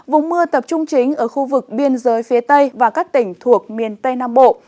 vùng mưa tập trung chính ở khu vực biên giới phía tây và các tỉnh thuộc miền tây nam bộ